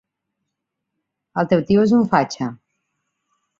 "El teu tio és un fatxa"